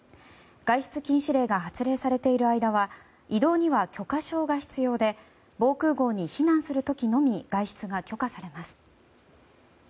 外出禁止令が発令されている間は移動には許可証が必要で防空壕に避難する時のみ外出が許可されます。